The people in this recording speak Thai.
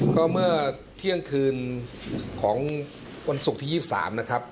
ก็เมื่อเที่ยงคืนของวันศุกร์ที่๒๓นะครับ